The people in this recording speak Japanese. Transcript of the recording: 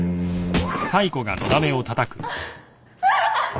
アハハハ！